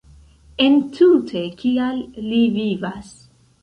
Entute kial li vivas?